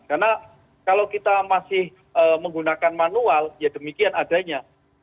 karena kalau kita masih menggunakan manual ya demikian adanya